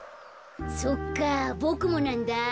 そっかボクもなんだ。